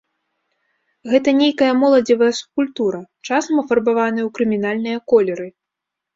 Гэта нейкая моладзевая субкультура, часам афарбаваная ў крымінальныя колеры.